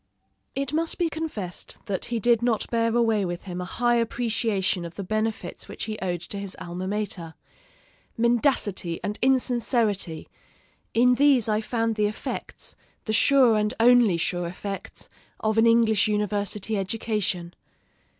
It must be confessed that he did not bear away with him a high appreciation of the benefits which he owed to his alma mater. "Mendacity and insincerity in these I found the effects, the sure and only sure effects, of an English university education."